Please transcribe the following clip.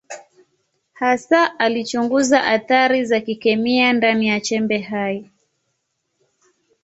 Hasa alichunguza athari za kikemia ndani ya chembe hai.